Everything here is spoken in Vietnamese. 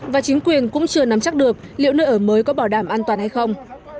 và chính quyền cũng chưa nắm chắc được liệu nơi ở mới có bảo đảm an toàn hay không